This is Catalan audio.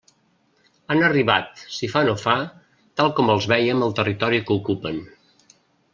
Han arribat si fa no fa tal com els veiem al territori que ocupen.